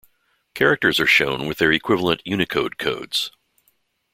Characters are shown with their equivalent Unicode codes.